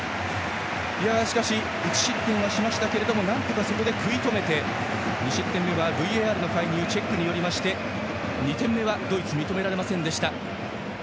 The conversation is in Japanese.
しかし、１失点はしましたがなんとかそこで食い止めて２失点目はＶＡＲの介入で２点目はドイツ認められませんでした。